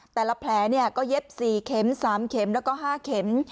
แต่ละแผลเนี่ยก็เย็บสี่เข็มสามเข็มแล้วก็ห้าเข็ม